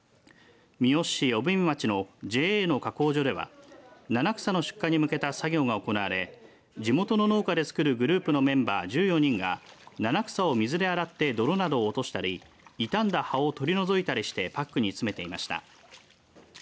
三好市小文町のＪＡの加工所では七草の出荷に向けた作業が行われ、地元の農協で作るグループのメンバー１４人が七草を水で洗って泥などを落としたり傷んだ葉を取り除いたりしてパックに詰めていました。